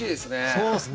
そうですね。